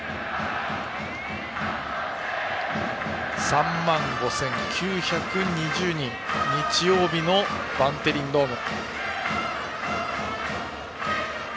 ３万５９２０人日曜日のバンテリンドーム。